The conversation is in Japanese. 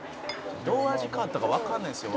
「どう味変わったかわかんないんですよ